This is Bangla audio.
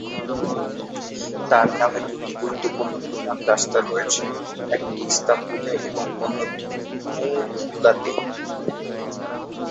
তার নামে দুটি গুরুত্বপূর্ণ প্রধান রাস্তা রয়েছে: একটি ইস্তাম্বুলে এবং অন্যটি মুউলাতে।